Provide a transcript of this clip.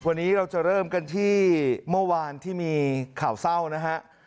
วันนี้เราจะเริ่มกันที่เมื่อวานที่มีข่าวเศร้านะฮะ